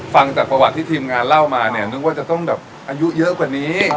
ฟังจากประวัติที่ทีมงานเล่ามาเนี่ยนึกว่าจะต้องแบบอายุเยอะกว่านี้